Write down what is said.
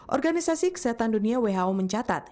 organisasi kesehatan dunia who mencatat